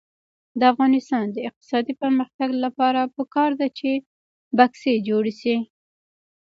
د افغانستان د اقتصادي پرمختګ لپاره پکار ده چې بکسې جوړې شي.